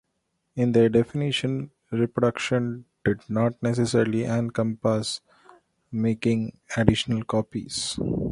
In their definition, "reproduction" did not necessarily encompass making additional copies.